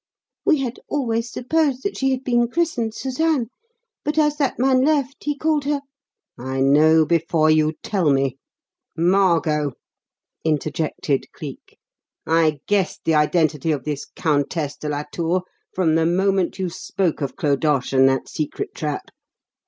We had always supposed that she had been christened 'Suzanne,' but as that man left he called her " "I know before you tell me 'Margot'!" interjected Cleek. "I guessed the identity of this 'Countess de la Tour' from the moment you spoke of Clodoche and that secret trap.